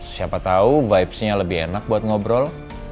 siapa tahu vibesnya lebih enak buat ngobrol